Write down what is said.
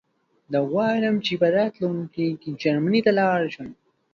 زه غواړم چې په راتلونکي کې جرمنی ته لاړ شم